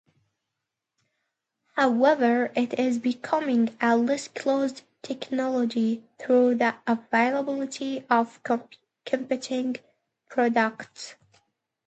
However, it is becoming a less closed technology through the availability of competing products.